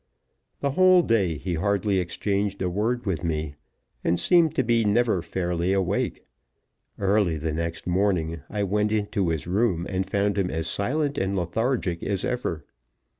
The whole day he hardly exchanged a word with me, and seemed to be never fairly awake. Early the next morning I went into his room, and found him as silent and lethargic as ever.